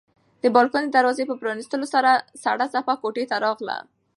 د بالکن د دروازې په پرانیستلو سره سړه څپه کوټې ته راغله.